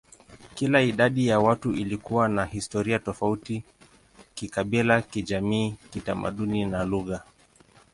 Kila idadi ya watu ilikuwa na historia tofauti kikabila, kijamii, kitamaduni, na lugha.